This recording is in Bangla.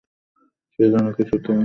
সে যেন কিছুতেই আপনার সঙ্গে না থাকে।